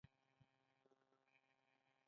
آیا پښتونولي د میړانې درس نه دی؟